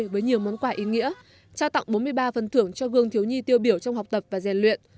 với nhiều món quà ý nghĩa trao tặng bốn mươi ba phần thưởng cho gương thiếu nhi tiêu biểu trong học tập và rèn luyện